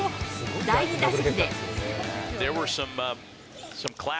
第２打席。